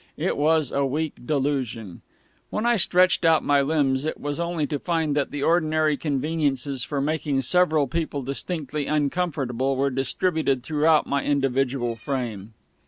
It was a weak delusion. When I stretched out my limbs it was only to find that the ordinary conveniences for making several people distinctly uncomfortable were distributed throughout my individual frame.